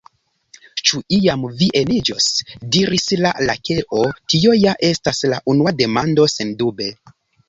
"Ĉu iam vi eniĝos?" diris la Lakeo. "Tio ja estas la unua demando. Sendube! "